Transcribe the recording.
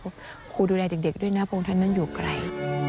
คุณครูดูแลเด็กด้วยนะพระองค์ท่านนั้นอยู่ไกล